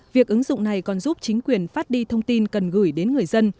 việc ứng dụng này còn giúp chính quyền phát đi thông tin cần gửi đến người dân